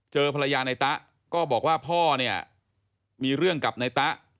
ภรรยาในตะก็บอกว่าพ่อเนี่ยมีเรื่องกับนายตะ